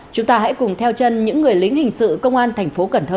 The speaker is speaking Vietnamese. chúng ta hãy cùng theo chân những người lính hình sự công an tp cần thơ